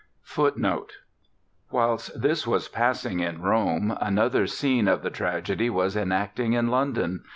[A] [Footnote A: Whilst this was passing at Rome, another scene of the tragedy was enacting in London.